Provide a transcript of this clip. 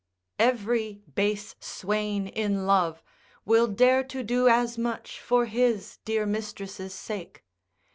Every base swain in love will dare to do as much for his dear mistress' sake.